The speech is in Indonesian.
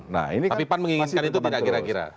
tapi pan menginginkan itu tidak kira kira